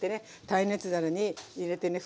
耐熱皿に入れてね